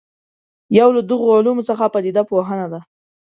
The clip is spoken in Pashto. یو له دغو علومو څخه پدیده پوهنه ده.